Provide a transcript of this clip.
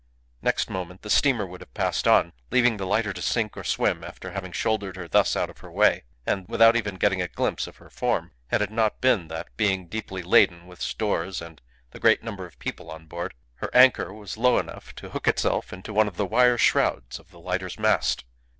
Next moment the steamer would have passed on, leaving the lighter to sink or swim after having shouldered her thus out of her way, and without even getting a glimpse of her form, had it not been that, being deeply laden with stores and the great number of people on board, her anchor was low enough to hook itself into one of the wire shrouds of the lighter's mast.